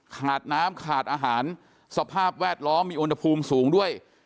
ขาดน้ำขาดอาหารสภาพแวดล้อมมีอุณหภูมิสูงด้วย